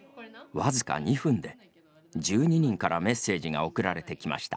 僅か２分で１２人からメッセージが送られてきました。